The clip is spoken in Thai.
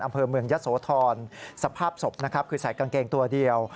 อำเภอเมืองยะโสธรสภาพศพนะครับคือใส่กางเกงตัวเดียว